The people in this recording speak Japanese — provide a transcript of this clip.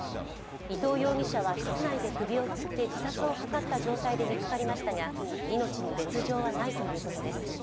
伊藤容疑者は室内で首をつって自殺を図った状態で見つかりましたが、命に別状はないということです。